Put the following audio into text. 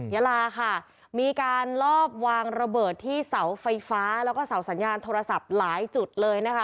ยาลาค่ะมีการลอบวางระเบิดที่เสาไฟฟ้าแล้วก็เสาสัญญาณโทรศัพท์หลายจุดเลยนะคะ